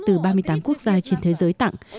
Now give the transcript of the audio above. từ ba mươi tám quốc gia trên thế giới tặng